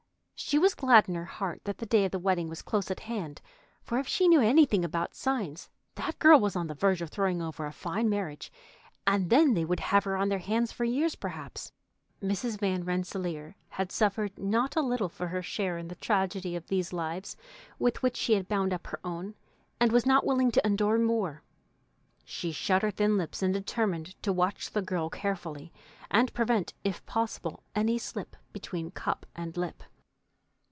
She was glad in her heart that the day of the wedding was close at hand, for if she knew anything about signs, that girl was on the verge of throwing over a fine marriage, and then they would have her on their hands for years, perhaps. Mrs. Van Rensselaer had suffered not a little for her share in the tragedy of these lives with which she had bound up her own, and was not willing to endure more. She shut her thin lips and determined to watch the girl carefully and prevent if possible any slip between cup and lip.